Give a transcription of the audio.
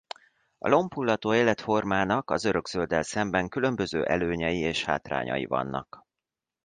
A lombhullató életformának az örökzölddel szemben különböző előnyei és hátrányai vannak.